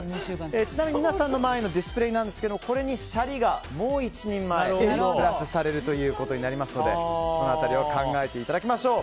ちなみに皆さんの前のディスプレーですがこれにシャリがもう１人前プラスされるということになりますのでその辺りを考えていただきましょう。